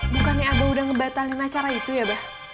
bukannya abah udah ngebatalin acara itu ya bah